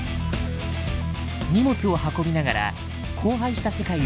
荷物を運びながら荒廃した世界を繋ぎ直す。